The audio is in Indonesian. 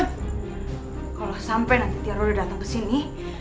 kalo sampe nanti tiara udah dateng kesini